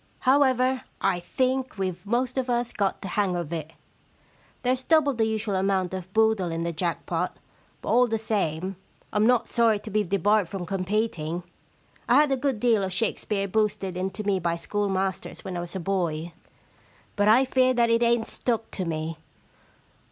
However, I think weVe most of us got the hang of it. There's double the usual amount of boodle in the jack pot, but all the same Fm not sorry to be debarred from competing. I had a good deal of Shakespeare boosted into me by schoolmasters when I was a boy, but I fear that it ain*t stuck to me.